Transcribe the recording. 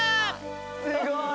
すごい。